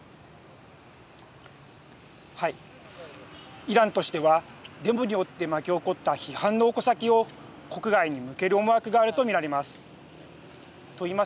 イランとしてはデモによって巻き起こった批判の矛先を国外に向ける思惑があると見られます。